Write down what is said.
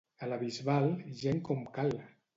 A la Bisbal, gent com cal!